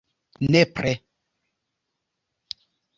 Nepre.